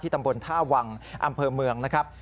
ตำบลท่าวังอำเภอเมืองนะครับ